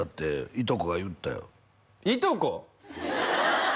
いとこ？